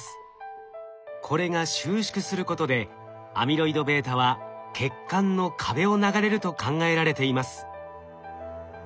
これが収縮することでアミロイドβは血管の壁を流れると考えられています。